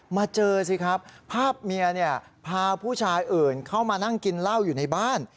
มาเจอสิครับภาพเมียพาผู้ชายอื่นเข้ามานั่งกินเหล้าอยู่ในบ้าน